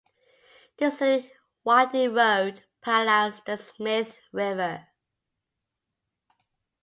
This scenic, winding road parallels the Smith River.